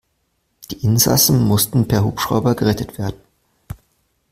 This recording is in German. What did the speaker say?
Die Insassen mussten per Hubschrauber gerettet werden.